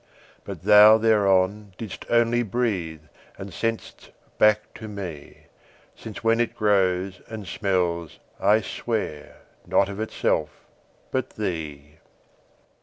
But thou thereon didst only breathe, And sent'st back to me: Since when it grows, and smells, I swear, Not of itself, but thee.